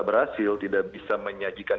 berhasil tidak bisa menyajikan